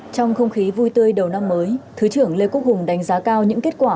trong không khí vui tươi đầu năm mới thứ trưởng lê quốc hùng đánh giá cao những kết quả